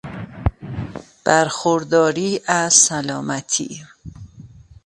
برخورداری از سلامتی